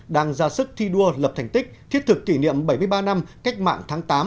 đang ra sức thi đua lập thành tích thiết thực kỷ niệm bảy mươi ba năm cách mạng tháng tám